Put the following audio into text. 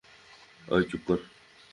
ওই, চুপ কর।